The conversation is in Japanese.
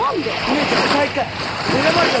姉ちゃん大会選ばれたって。